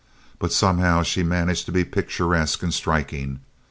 But somehow she managed to be picturesque and striking.